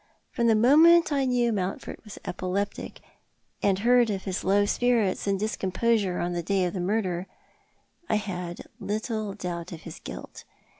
From the moment I knew ^Mountford was epileptic, and heard of his low spirits and discomi)osure on the day of the murder, I had little doubt of his guilt.